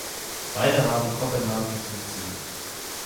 Beide haben Kopenhagen zum Ziel.